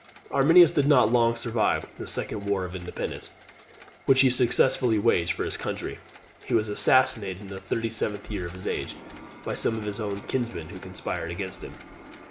Arminius did not long survive this second war of independence, which he successfully waged for his country. He was assassinated in the thirty seventh year of his age, by some of his own kinsmen, who conspired against him.